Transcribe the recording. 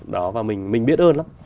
đó và mình biết ơn lắm